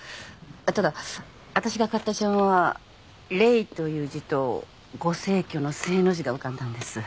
ただ私が買った茶わんは「霊」という字とご逝去の「逝」の字が浮かんだんです。